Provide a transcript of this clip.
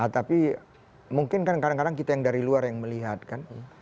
tapi mungkin kan kadang kadang kita yang dari luar yang melihat kan